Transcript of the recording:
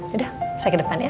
sudah saya ke depan ya